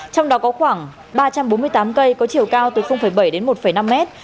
trong đó có khoảng ba trăm bốn mươi tám cây có chiều cao từ bảy đến một năm mét